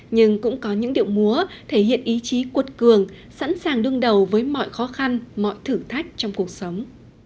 nhưng cũng có những điệu múa thể hiện ý chí cuột cường sẵn sàng đương đầu với mọi khó khăn mọi thử thách trong cuộc sống